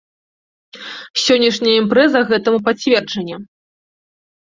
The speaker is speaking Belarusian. Сённяшняя імпрэза гэтаму пацверджанне.